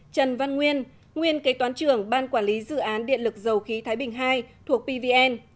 trần văn nguyên nguyên kế toán trưởng ban quản lý dự án điện lực dầu khí thái bình ii thuộc pvn